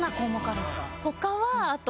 他はあと。